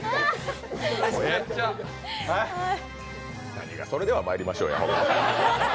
何が、「それではまいりましょう」や。